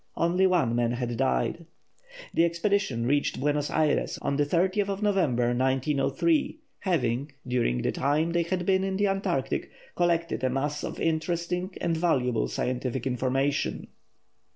Only one man had died. The expedition reached Buenos Aires on November 30, 1903, having, during the time they had been in the Antarctic, collected a mass of interesting and valuable scientific information.